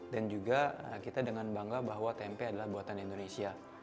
dan juga kita dengan bangga bahwa tempe adalah buatan indonesia